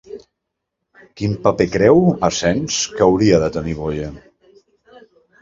Quin paper creu Asens que hauria de tenir Boye?